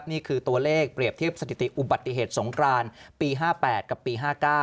นี่คือตัวเลขเปรียบเทียบสถิติอุบัติเหตุสงครานปี๕๘กับปี๕๙